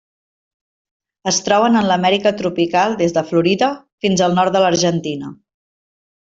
Es troben en l'Amèrica tropical des de Florida, fins al nord de l'Argentina.